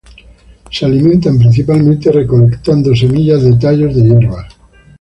Se alimentan principalmente recolectando semillas de tallos de hierbas.